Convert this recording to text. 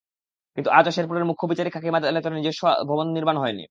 কিন্তু আজও শেরপুরের মুখ্য বিচারিক হাকিমের নিজস্ব আদালত ভবন নির্মাণ হয়নি।